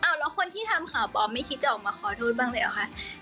แล้วคนที่ทำข่าวปลอมไม่คิดจะออกมาขอโทษบ้างเลยเหรอคะ